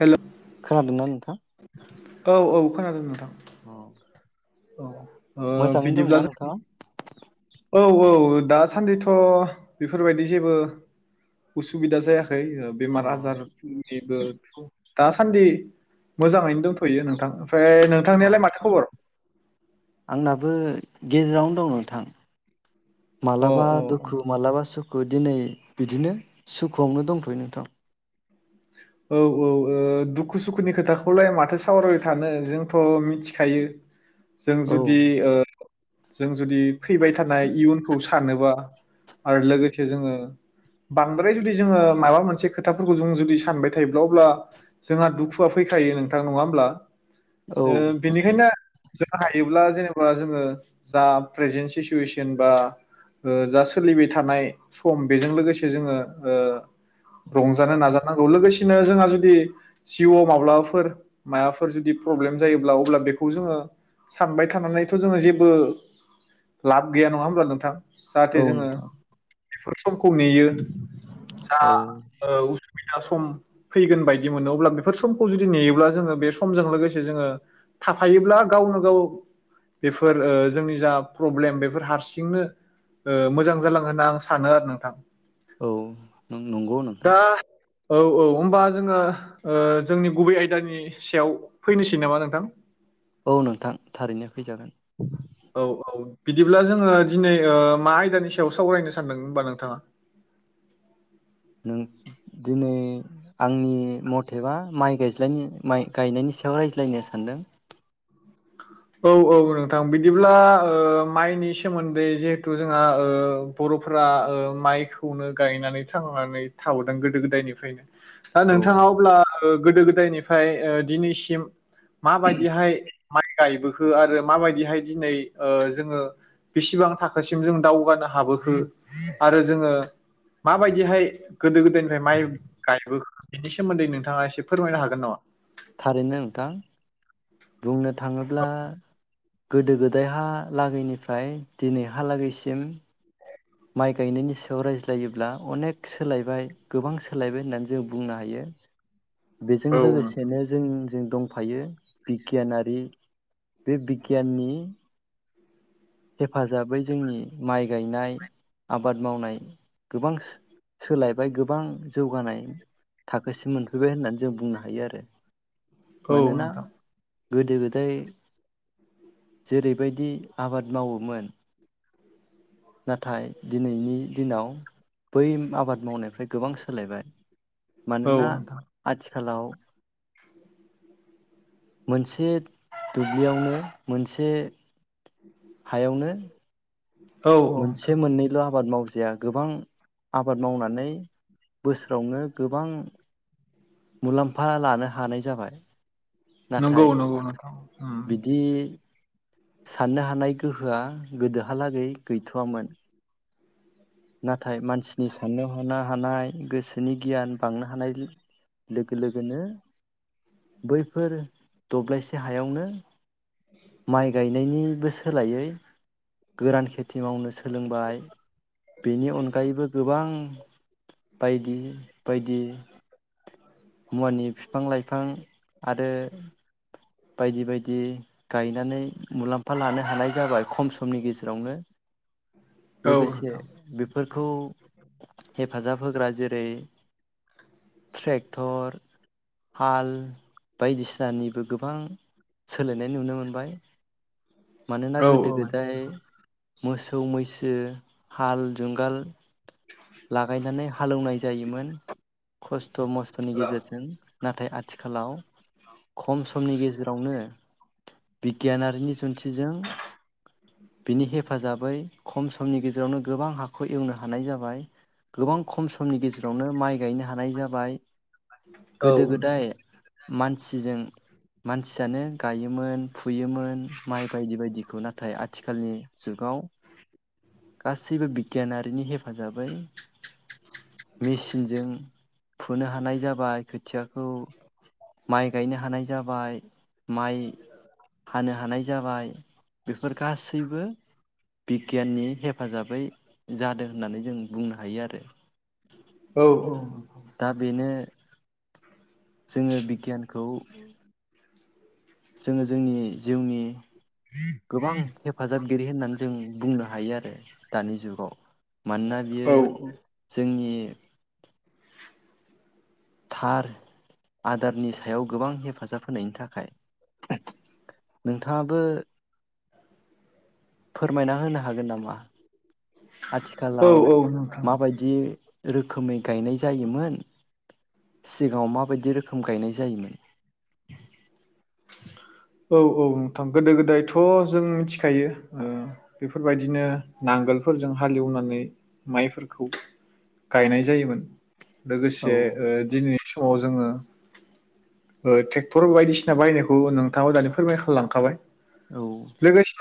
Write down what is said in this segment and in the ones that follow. हेल खोनादोंना नोंथां? औ औ खोनादों नोंथां। अ औ ओ मोजाङैनो बिदिब्ला दंना जों नोंथाङा औ औ दासान्दिथ बेफोरबायदि जेबो उसुबिदा जाया खै ओ अ बेमार आजारनिबो दासान्दि मोजाङैनो दंथयो नोंथां ओमफ्राय अ नोंथांनियालाय माथो खबर? आंनाबो गेजेरावनो दं नोंथां। अ मालाबा अ दुखु मालाबा सुखु खौ दिनै बिदिनो सुखुआवनो दंथयो नोंथां औ औ ओ दुखु सुखुनि खोथाखौलाय माथो सावरायबाय थानो जोंथ मिथिखायो। जों औ जुदि ओ। जों जुदि फैबाय थानाय इयुनखौ सानोबा आरो लोगोसे जोङो बांद्राय जुदि जोङो माबा मोनसे खोथाफोरखौ जों जुदि सानबाय थायोब्ला अब्ला जोंहा दुखुआ फैखायो नोंथां नङा होमब्ला? औ बेनिखायनो जों हायोब्ला जेनेबा। अब्ला जोङो जा प्रेजेन्ट सिसुवेसन बा जा सोलिबाय थानाय सम बेजों लोगोसे जोङो ओ रंजानो नाजा नांगौ लोगोसेनो जोंहा जुदि जिउआव माब्लाबाफोर माबाफोर जुदि प्रब्लेम जायोब्ला अब्ला बेखौ जोङो सानबाय थानानैथ जोङो जेबो लाब गैया नङा होमब्ला नोंथां? जाहाथे औ जोङो नोंथां फारस्ट [unintelligible] नेयो जा औ ओ बिना सम फैगोन बायदि मोनो अब्ला बेफोर समखौ जुदि नेयोब्ला जोङो बे समजों लोगोसे जोङो थाफायोब्ला गावनो गाव बेफोर जोंनि जा प्रब्लेम बेफोर हारसिंनो ओ मोजां जालाङो होनना आं सानो आरो नोंथां। औ ओं नंगौ नोंथां। औ-औ होमबा जोङो ओ जोंनि गुबै आयदानि सायाव फैनोसै नामा नोंथां औ नोंथां थारैनो फैजागोन। औ औ बिदिब्ला जोङो दिनै ओ मा आयदानि सायाव सावरायनो सानदों होमबा नोंथाङा नों दिनै आंनि मथेबा माइ गायज्लाय गायनायनि सायाव रायज्लायनो सानदों औ-औ नोंथां बिदिब्ला ओ माइनि सोमोन्दै जिहेथु जोंहा ओ बरफोरा ओ माइखौनो गायनानै थांनानै थाबोदों गोदो गोदायनिफ्रायनो दा औ नोंथाङा अब्ला ओ गोदो गोदायनिफ्राय ओ दिनैसिम मा बायदिहाय [unintelligible] गायबोखो आरो माबायदिहाय दिनै ओ जोङो बेसिबां थाखोसिम जों दावगानो हाबोखो आरो जोङो माबायदिहाय गोदो गोदायनिफ्राय माइ गायबोखो बेनि सोमोन्दै नोंथाङा एसे फोरमायनो हागोन नामा? थारैनो नोंथां। बुंनों थाङोब्ला गोदो गोदायहा लागैनिफ्राय दिनैहालागैसिम माइ गायनायनि सायाव रायज्लायोब्ला अनेक सोलायबाय गोबां सोलायबाय होननानै जों बुंनो हायो। बेजों औ नोंथां लोगोसेनो जों जों दंफायो बिगियानारि बे बिगियाननि हेफाजाबै जोंनि माइ गायनाय आबाद मावनाय गोबां सो सोलायबाय गोबां जौगानाय थाखोसिम मोनफैबाय होननानै जों बुंनो हायो आरो औ मानोना नोंथां गोदो गोदाय जेरैबायदि आबाद मावोमोन। नाथाय दिनैनि दिनाव बै आबाद मावनायफ्राय गोबां सोलायबाय औ मानोना नोंथां आथि हेलौ, मोनसे दुब्लियावनो मोनसे हायावनो औ मोनसे नोंथां मोननैल' आबाद माव जाया गोबां आबाद मावनानै बोसोरावनो गोबां मुलाम्फा लानो हानाय जाबाय। नंगौ नाथाय नंगौ नोंथां। उम बिदि साननो हानाय गोहोआ गोदोहालागै गैथवामोन नाथाय मानसिनि साननो हनो हानाय गोसोनि गियान बांनो हानाय लोगो लोगोनो बैफोर दब्लायसे हायावनो माइ गायनायनिबो सोलायै गोरान खेथि मावनो सोलोंबाय। बेनि अनगायैबो गोबां बायदि बायदि मुवानि फिफां लाइफां आरो बायदि बायदि गाय गायनानै मुलाम्फा लानो हानाय जाबाय खम समनि गेजेरावनो औ लोगोसे नोंथां बे फोरखौ हेफाजाब होग्रा जेरै ट्रेक थर हाल बायदिसिनानिबो गोबां सोलायनाय नुनो मोनबाय मानोना औ औ गोदो-गोदाय मोसौ मैसो हाल जुंगाल लागायनानै हालोवनाय जायोमोन खस्थ मस नि नोंथां गेजेरजों नाथाय आथिखालाव खम समनि गेजेरावनो बिगियानारिनि सोनथिजों बिनि हेफाजाबै खमसम समनि गेजेरावनो गोबां हाखौ एवनो हानाय जाबाय गोबां खम समनि गेजेरावनो माइ गायनो हानाय जाबाय। औ गोदो गोदाय मानसिजों मानसियानो गायोमोन फुयोमोन माइ बायदि बायदि नाथाय आथिखालनि जुगाव गासैबो बिगियानारिनि हेफाजाबै मेचिनजों फुनो हानाय खोथियाखौ माइ गायनो हानाय जाबाय माइ हानो हानाय जाबाय बेफोर गासैबो बिगियाननि हेफाजाबै जादों होननानै जों बुंनो हायो आरो औ औ दा बेनो जोङो बिगियानखौ जोङो जोंनि जिउनि गोबां हेफाजाबगिरि होननानै जों बुंनो हायो आरो दानि जुगाव। मानोना बियो औ जोंनि थार आदारनि सायाव गोबां हेफाजाब होनायनि थाखाय नोंथाङाबो फोरमायना होनो हागोन नामा? औ आथिखालाव औ नोंथां माबायदि रोखोमै गायनाय जायोमोन सिगाङाव माबायदि रोखोम गायनाय जायोमोन औ औ नोंथां गोदो गोदायथ' जों मिथिखायो ओ बेफोरबायदिनो नांगोलफोरजों हालेवनानै माइफोरखौ गायनाय जायोमोन। लोगोसे औ ओ दिनै समाव जोङो ओ ट्रेक्टर बायदिसिना बाहायनायखौ नों थाङाव दानि फोरमाय खालामलांखाबाय औ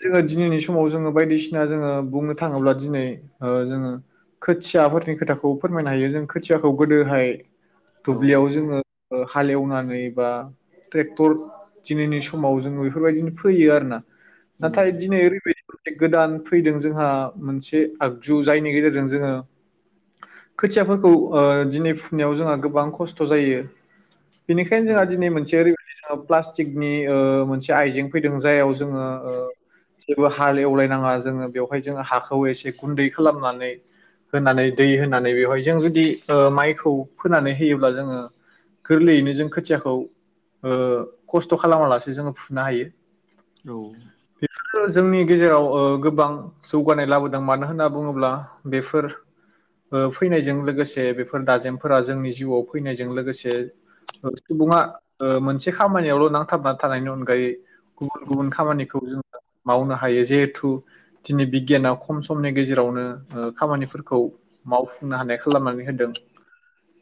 जोङो दिनैनि समाव जोङो बायदिसिना जोङो बुंनो थाङोब्ला दिनै ओ जोङो खोथियाफोरनि खोथाखौ फोरमायनो हायो जों खोथियाखौ गोदोहाय औ दुब्लियाव जोङो ओ हालेवनानै बा ट्रेक्टर दिनैनि समाव जोङो बेफोरबायदिनो फैयो आरोना। नाथाय औ दिनै ओरैबायदि गोदान फैदों जोंहा मोनसे आगजु जायनि गेजेरजों जोङो खोथियाफोरखौ ओ दिनै फुनायाव जोंहा गोबां खस्थ जायो। बेनिखायनो जोंहा औ दिनै मोनसे ओरै [unintelligible] टिकनि ओ मोनसे आइजें फैदों जायआव जोङो ओ जेबो हाल एवलायनाङा जोङो बेवहाय जोङो हाखौ एसे गुन्दै खालामनानै होनानै दै होनानै बेवहाय जों जुदि माइखौ फोनानै होयोब्ला जोङो गोरलैयैनो जों खोथियाखौ ओ खस्थ खालामालासे जोंङो फुनो हायो। औ बेफोरो जोंनि गेजेराव ओ गोबां जौगानाय लाबोदों मानो होनना बुङोब्ला बेफोर फैनायजों लोगोसे बेफोर दाजेमफोरा जोंनि जिउआव फैनायजों लोगोसे सुबुङा ओ मोनसे खामानियावल नांथाबनानै थानायनि अनगायै गुबुन गुबुन खामानिखौ जों मावनो हायो जिहेथु दिनै बिगियाना खम समनि गेजेरावनो ओ खामानिफोरखौ मावफुंनो हानाय खालामनानै होनदों।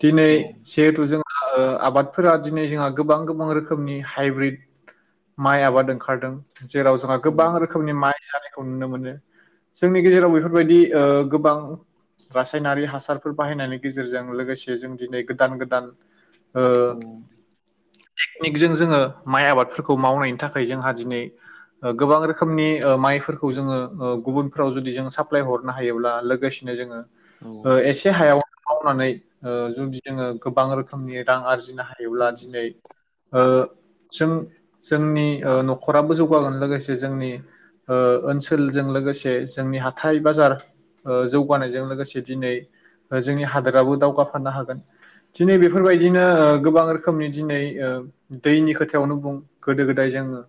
दिनै जेहेतु जों ओ आबादफोरा दिनै जोंहा गोबां गोबां रो खोमनि हाइब्रिद माइ आबाद ओंखारदों। जेराव जोंहा गोबां रोखोमनि माइ जानाय खौ नुनो मोनो। जोंनि गेजेराव बेफोरबायदि ओ गोबां रासायनारि हासारफोर बाहायनायनि गेजेरजों लोगोसे जों दिनै गोदान गोदान ओ [inaudible] टेकनिक जों जोङो माइ आबादफोरखौ मावनायनि थाखाय जोंहा दिनै गोबां रोखोमनि ओ माइफोरखौ जोङो ओ गुबुनफ्राव जुदि जों साप्लाय हरनो हायोब्ला लोगोसेनो जोङो ओ एसे हायाव मावनानै ओ जुदि जोङो गोबां रोखोमनि रां आर जिनो हायोब्ला दिनै ओ जों जोंनि ओ नखराबो जौगागोन लोगोसे जोंनि ओ ओनसोलजों लोगोसे जोंनि हाथाइ बाजार ओ जौगानायजों लोगोसे दिनै जोंनि हादोराबो दावगाफानो हागोन। दिनै बेफोरबायदिनो गोबां रोखोमनि दिनै ओ दैनि खोथायावनो बुं गोदो गोदाय जोङो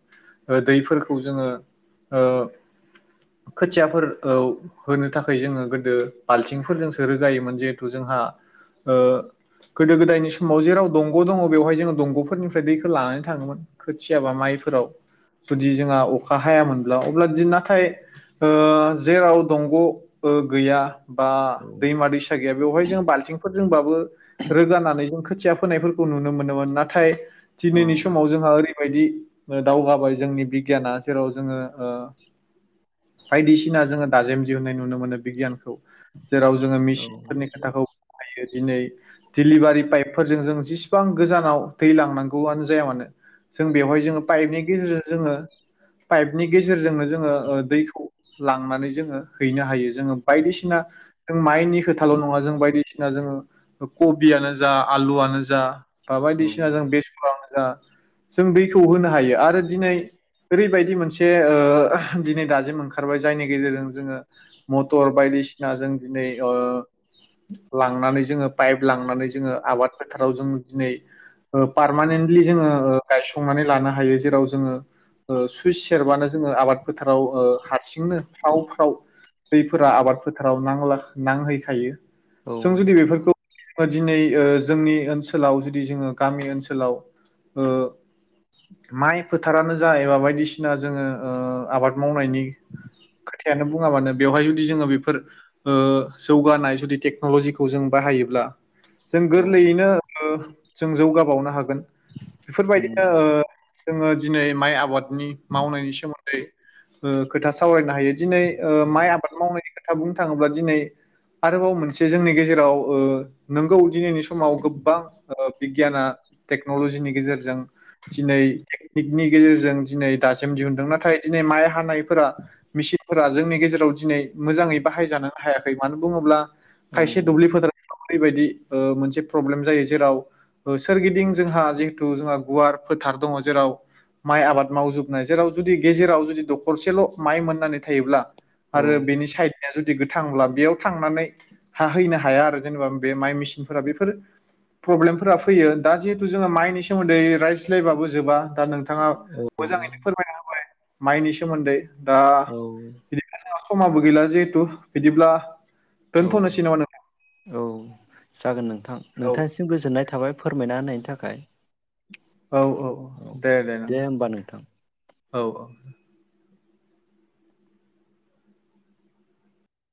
ओ दैफोरखौ जोङो ओ खोथियाफोर आव होनो थाखै जोङो गोदो बाल्थिंफोरजोंसो रोगायोमोन। जिहेथु जोंहा ओ गोदो गोदायनि समाव जेराव दंग दङ, बेवहाय जोङो दंग फोरनि फ्राय दैखौ लानानै थाङोमोन। खोथियाबा माइफोराव जुदि जोंहा अखा हायामोनब्ला अब्ला दि नाथाय ओ जेराव दंग ओ गैया बा दैमा दैसा गैया बेहाय जों बालथिं फोरजोंबाबो रोगानानै जों खोथिया फोनायफोरखौ नुनो मोनोमोन। नाथाय दिनैनि समाव जोंहा ओरै बेबायदि ओ दावगाबाय जोंनि बिगियाना जेराव जोंङो ओ बायदिसिना जोङो दाजेम दिहुननाय नुनो मोनो बिगियानखौ जेराव जोङो मिचनफोरनि खोथाखौ बुंनो हायो। दिनै डलिभारि पाइपफोरजों जों जेसेबां गोजानाव दै लांनां गौआनो जाया मानो जों बेवहाय जोङो पाइपनि गेजेरजों जोङो पाइपनि गेजेरजोंनो जोङो दैखौ लांनानै जोङो हैनो हायो। जोङो बायदिसिना जों माइनि खोथाल नङा, जों बायदिसिना जोङो कबियानो जा, आलुआनो जा बा बायदिसिना जों बे [unintelligible] जा जों दैखौ होनो हायो आरो दिनै ओरैबायदि मोनसे ओ दिनै दाजिम ओंखारबाय जायनि गेजेरजों जोङो मटर बायदिसिना जों दिनै ओ लांनानै जोङो पाइप लांनानै जोङो आबाद फोथाराव जों दिनै ओ पारमानेन्टलि जोङो गायसंनानै लानो हायो, जेराव जोङो सुइस सेरबानो जोङो आबाद फोथाराव हारसिंनो फाव फाव दैफोरा आबाद फोथाराव नांला-नांहैखायो। जों जुदि जागोन बेफोरखौ दिनै ओ जोंनि ओनसोलाव जुदि जोङो गामि ओनसोल ओनसोलाव ओ माइ फोथारानो जा एबा बायदिसिना जोङो ओ आबाद मावनायनि खोथायानो बुङाबानो बेवहाय जुदि जोङो बेफोर ओ जौगानाय जुदि टेक्नलजिखौ जों बाहायोब्ला जों गोरलैयैनो ओ जों जौगाबावनो हाग बोन बेफोरबायदिनो ओ जोङो दिनै माइ आबादनि मावनायनि सोमोन्दै ओ खोथा सावरायनो हायो। दिनै ओ माइ आबाद मावनायनि खोथा बुं। थाङोब्ला दिनै आरोबाव मोनसे जोंनि गेजेराव ओ नंगौ दिनैनि सुब समाव गोबां ओ बिगियाना टेक्नलजिनि गेजेरजों दिनै टेकनिकनि गेजेरजों दिनै दासिम दिहुनदों नाथाय दिनै माइ हानायफोरा मेसिनफोरा जोंनि गेजेराव दिनै मोजाङै बाहायजान हायाखै मानो बुङोब्ला खायसे दुब्लि फोथारा बेबायदि ओ मोनसे प्रब्लेम जायो जेराव ओ सोरगिदिं जोंहा जिहेथु जोंहा गुवार फोथार दङ जेराव माइ आबाद मावजोबनाय जेराव जुदि गेजेराव जुदि दखरसेल माइ मोननानै थायोब्ला आरो बेनि साइडनिया जु गोथांब्ला बेयाव थांनानै हाहैनो हाया आरो जेनेबा बे माइ मेसिनफोरा बेफोर प्रब्लेमफोरा फैयो दा जिहेथु जोङो माइनि सोमोन्दै रायज्लायबाबो जोबा दा नोंथाङा मोजाङैनो फोरमायना होबाय माइनि सो सोमोनदै दा बिदि समाबो गैला जिहेथु बिदिब्ला औ दोनथ'नोसै नामा नोंथां औ। जागोन नोंथा आं औ नोंथांसिम गोजोननाय थाबाय। फोरमायना होनायनि थाखाय। औ औ दे दे नोंथां। होमबा नोंथां औ औ।